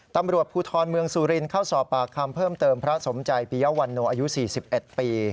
ตำรวจภูทรเมืองสุรินทร์เข้าสอบปากคำเพิ่มเติมพระสมใจปียวันโนอายุ๔๑ปี